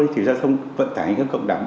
thì giao thông vận tải hành khách cộng đảm